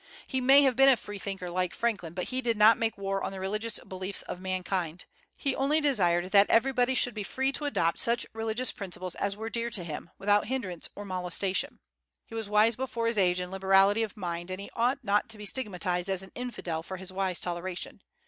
He may have been a freethinker like Franklin, but he did not make war on the religious beliefs of mankind; he only desired that everybody should be free to adopt such religious principles as were dear to him, without hindrance or molestation. He was before his age in liberality of mind, and he ought not to be stigmatized as an infidel for his wise toleration.